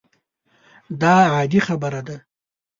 دا عادي خبره ده.